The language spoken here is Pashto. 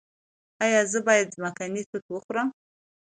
ایا زه باید ځمکنۍ توت وخورم؟